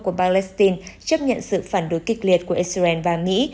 của palestine chấp nhận sự phản đối kịch liệt của israel và mỹ